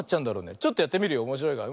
ちょっとやってみるよおもしろいから。